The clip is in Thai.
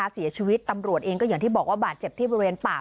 เสียชีวิตตำรวจเองก็อย่างที่บอกว่าบาดเจ็บที่บริเวณป่า